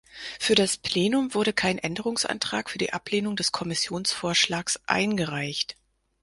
Für das Plenum wurde kein Änderungsantrag für die Ablehnung des Kommissionsvorschlags eingereicht.